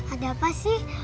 ada apa sih